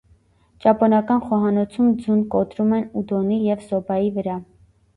Ճապոնական խոհանոցում ձուն կոտրում են ուդոնի և սոբաի վրա։